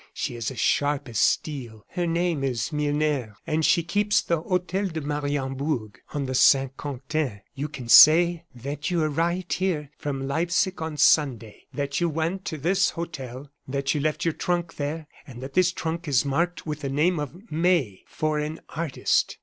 She is as sharp as steel. Her name is Milner, and she keeps the Hotel de Mariembourg, on the Saint Quentin. You can say that you arrived here from Leipsic on Sunday; that you went to this hotel; that you left your trunk there, and that this trunk is marked with the name of May, foreign artist."